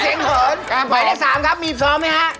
เสียงเขินหมายได้๓ครับมีซ้อมไหมฮะ